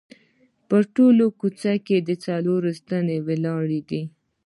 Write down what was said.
په ټوله کوڅه کې څلور ستنې ولاړې دي.